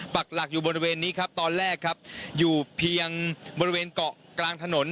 ปักหลักอยู่บริเวณนี้ครับตอนแรกครับอยู่เพียงบริเวณเกาะกลางถนน